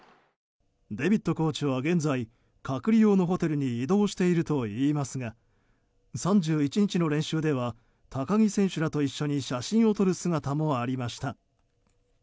デビットコーチは現在隔離用のホテルに移動しているといいますが３１日の練習では高木選手らと一緒に写真を撮る姿もありました。